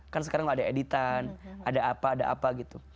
kan sekarang ada editan ada apa ada apa gitu